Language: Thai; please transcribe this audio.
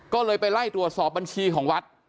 ก็เลยไปไล่ตรวจสอบบัญชีของวัด